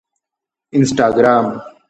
انسټاګرام